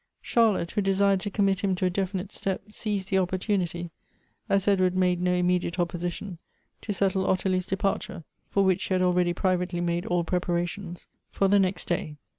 Charlotte, who desired to commit him to a definite step, seized the opportunity, as Edward madie no immediate opposition, to settle Ottilie's depart ure, for which she had already privately made all preparations, for the next day.